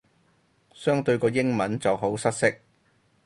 相對個英文就好失色